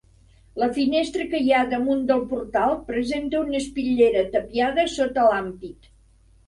La finestra que hi ha damunt del portal presenta una espitllera tapiada sota l'ampit.